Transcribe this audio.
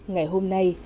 ngày hôm nay